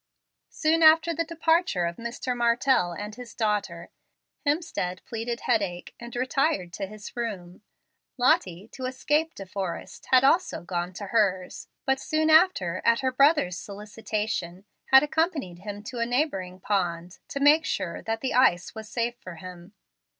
Soon after the departure of Mr. Martell and his daughter, Hemstead pleaded headache, and retired to his room. Lottie, to escape De Forrest, had also gone to hers, but soon after, at her brother's solicitation, had accompanied him to a neighboring pond to make sure that the ice was safe for him.